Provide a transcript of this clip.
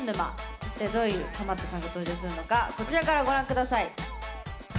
一体どういうハマったさんが登場するのかこちらからご覧下さい。